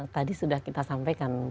tadi sudah kita sampaikan